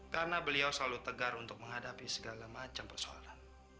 karena beliau selalu tegar untuk menghadapi segala macam persoalan